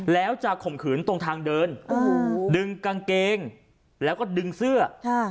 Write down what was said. แล้วจะข่มขืนตรงทางเดินโอ้โหดึงกางเกงแล้วก็ดึงเสื้อ